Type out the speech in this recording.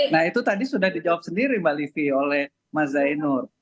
nah itu tadi sudah dijawab sendiri mbak livi oleh mas zainur